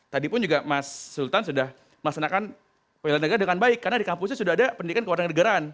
tadi pun juga mas sultan sudah memaksanakan pendidikan kewarganegaraan dengan baik karena di kampusnya sudah ada pendidikan kewarganegaraan